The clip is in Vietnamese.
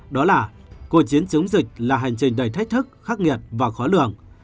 đó là cuộc chiến chống dịch là hành trình đầy thách thức khắc nghiệt và khó lường